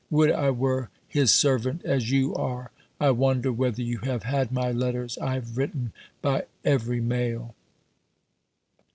Would I were His servant as you are. I wonder whether you have had my letters. I have written by every mail.